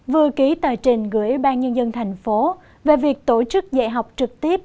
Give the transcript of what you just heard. vừa ký tờ trình gửi ban nhân dân thành phố về việc tổ chức dạy học trực tiếp